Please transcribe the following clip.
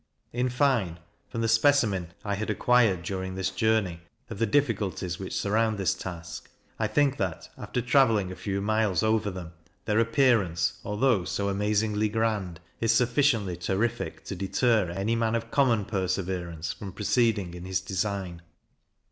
In fine, from the specimen I had acquired during this journey, of the difficulties which surround this task, I think that, after travelling a few miles over them, their appearance (although so amazingly grand) is sufficiently terrific to deter any man of common perseverance from proceeding in his design.